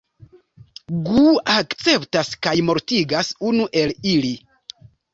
Gu akceptas kaj mortigas unu el ili.